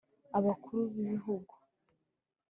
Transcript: abakuru b'ibihugu